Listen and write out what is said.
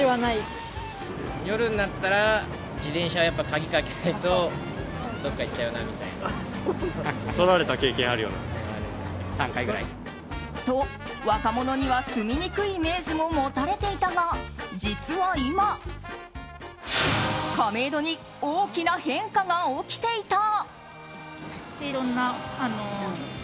飲み屋街として知られる一方。と、若者には住みにくいイメージも持たれていたが実は、今亀戸に大きな変化が起きていた。